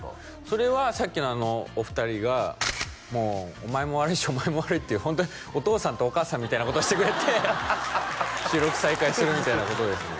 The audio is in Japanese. それはさっきのお二人がもうお前も悪いしお前も悪いっていうホントにお父さんとお母さんみたいなことしてくれて収録再開するみたいなことですね